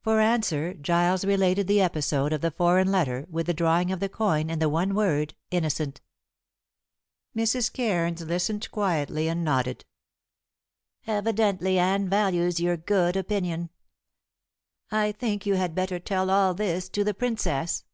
For answer Giles related the episode of the foreign letter, with the drawing of the coin and the one word "Innocent." Mrs. Cairns listened quietly, and nodded. "Evidently Anne values your good opinion. I think you had better tell all this to the Princess."